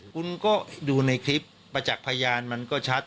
คุณก็ดูในคลิปประจักษ์พยานมันก็ชัด